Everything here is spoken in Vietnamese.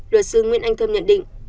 luật sư nguyễn anh thơm nhận định